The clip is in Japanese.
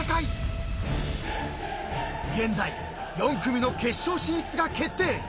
［現在４組の決勝進出が決定］